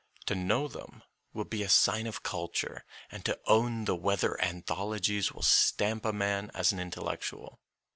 To know them will be a sign of culture, and to own the weather anthologies will stamp a man as an intellectual.